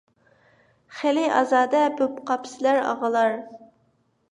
خېلى ئازادە بوپقاپسىلەر، ئاغىلار.